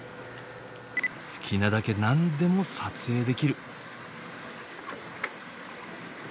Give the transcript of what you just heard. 好きなだけ何でも撮影できる。